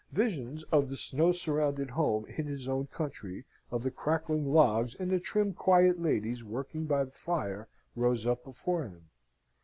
Visions of the snow surrounded home in his own country, of the crackling logs and the trim quiet ladies working by the fire, rose up before him.